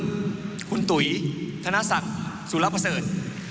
ท่านรัฐมนตุ๋ยธนสังสูรปัเสิร์ต